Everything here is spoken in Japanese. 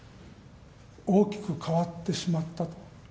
大きく変わってしまったと。